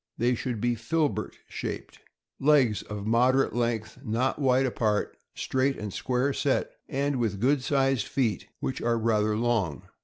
They should be filbert shaped. Legs. — Of moderate length, not wide apart, straight and square set, and with good sized feet, which are rather long.